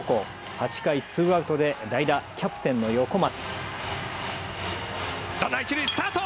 ８回ツーアウトで代打、キャプテンの横松。